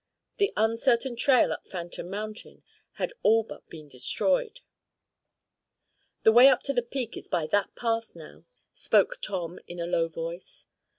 The uncertain trail up Phantom Mountain had all but been destroyed. "The way up to the peak is by that path, now," spoke Tom, in a low voice.